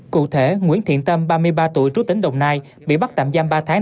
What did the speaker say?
cụ thể nguyễn thiện tâm ba mươi ba tuổi trú tỉnh đồng nai bị bắt tạm giam ba tháng